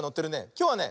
きょうはね